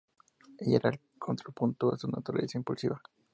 Ella era el contrapunto a su naturaleza impulsiva.